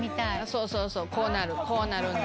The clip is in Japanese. そうそうそうこうなるこうなるんですよ。